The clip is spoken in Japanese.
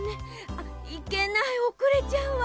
あいけないおくれちゃうわ。